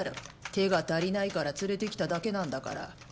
手が足りないから連れてきただけなんだから。